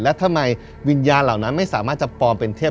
และทำไมวิญญาณเหล่านั้นไม่สามารถจะปลอมเป็นเทพ